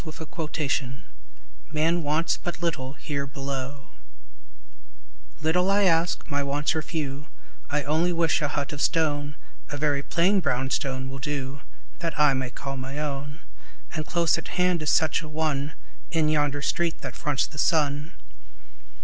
CONTENTMENT "Man wants but little here below" LITTLE I ask; my wants are few; I only wish a hut of stone, (A very plain brown stone will do,) That I may call my own; And close at hand is such a one, In yonder street that fronts the sun.